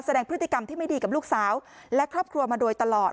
แสดงพฤติกรรมที่ไม่ดีกับลูกสาวและครอบครัวมาโดยตลอด